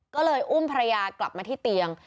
ก็เลยอุ้มภรรยากลับมาที่เตียง